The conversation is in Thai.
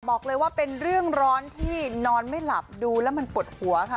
บอกเลยว่าเป็นเรื่องร้อนที่นอนไม่หลับดูแล้วมันปวดหัวค่ะ